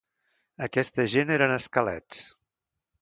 Aquesta gent eren esquelets.